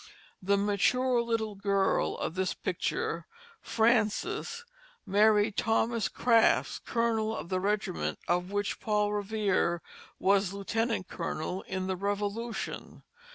The mature little girl of this picture, Frances, married Thomas Crafts, colonel of the regiment of which Paul Revere was lieutenant colonel in the Revolution.